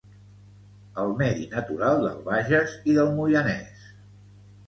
El medi natural del Bages i del Moianès